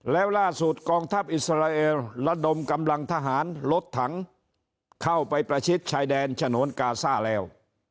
แล้วล่าสุดกองทัพอิสราเอลระดมกำลังทหารรถถังเข้าไปประชิดชายแดนฉนวนกาซ่าแล้ว